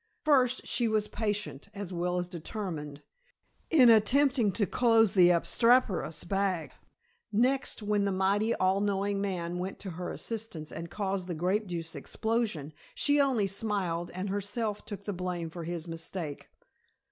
First, she was patient, as well as determined, in attempting to close the obstreperous bag; next, when the mighty all knowing man went to her assistance and caused the grape juice explosion, she only smiled and herself took the blame for his mistake.